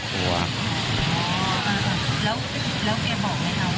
แล้วแกบอกไหมคะว่ามันลงตัวแล้วหรือยัง